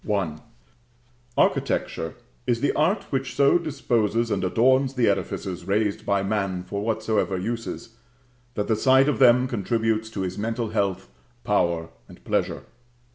Architecture is the art which so disposes and adorns the edifices raised by man for whatsoever uses, that the sight of them contributes to his mental health, power and pleasure.